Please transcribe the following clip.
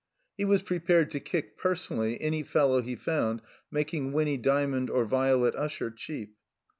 He was prepared to kick, personally, any fellow he found making Winny Dymond or Violet Usher cheap.